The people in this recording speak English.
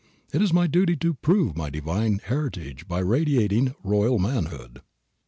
It is my duty to prove my divine heritage by radiating royal manhood."